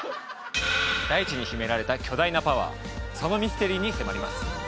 大地に秘められた巨大なパワーそのミステリーに迫ります